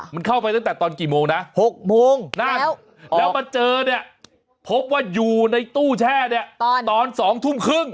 มันเข้าไปตั้งแต่ตอนกี่โมงนะ๖โมงแล้วมาเจอเนี่ยพบว่าอยู่ในตู้แช่เนี่ยตอน๒ทุ่มครึ่ง